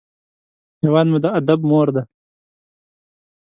هېواد مو د ادب مور دی